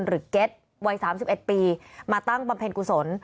เก็ตวัย๓๑ปีมาตั้งบำเพ็ญกุศล